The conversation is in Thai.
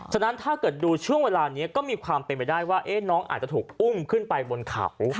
ฉะนั้นถ้าเกิดดูช่วงเวลานี้ก็มีความเป็นไปได้ว่าน้องอาจจะถูกอุ้มขึ้นไปบนเขา